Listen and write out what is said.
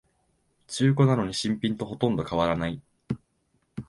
中古なのに新品とほとんど変わらない